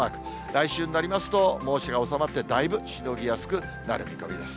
来週になりますと、猛暑が収まって、だいぶしのぎやすくなる見込みです。